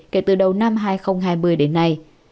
kể từ đầu năm hai nghìn hai mươi đến nay